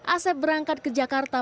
asep berangkat ke jakarta